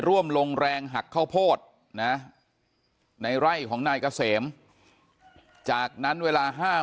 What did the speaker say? ร่วมลงแรงหักข้าวโพดนะในไร่ของนายเกษมจากนั้นเวลา๕โมง